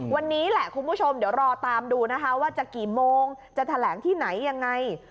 วันนี้แหละคุณผู้ชมเดี๋ยวรอตามดูนะคะว่าจะกี่โมงจะแถลงที่ไหนยังไง